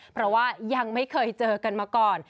เพราะว่ายังไม่เคยเจอกันมาก่อน